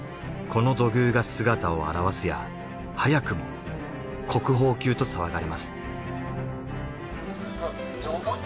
この土偶が姿を現すや早くも国宝級と騒がれます。